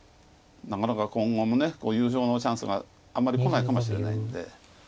なかなか今後も優勝のチャンスがあんまりこないかもしれないんで。